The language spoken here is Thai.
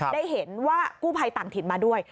ได้เห็นว่ากู้ภัยต่างถิ่นมาด้วย